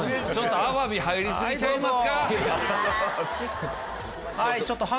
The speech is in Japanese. アワビ入り過ぎちゃいますか？